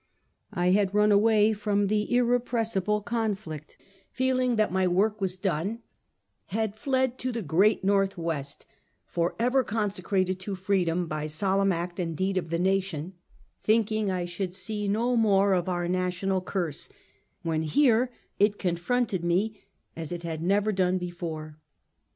I had run away from the irrepressible conflict, feel ing that my work was done; had fled to the great l^orthwest — forever consecrated to freedom by solemn act and deed of the nation — thinking I should see no more of our national curse, when here it confronted me as it had never done before.